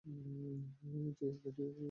এই যে, রেডিও বিক্রেতা।